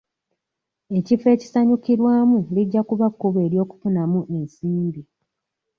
Ekifo ekisanyukirwamu lijja kuba kkubo ly'okufunamu ensimbi.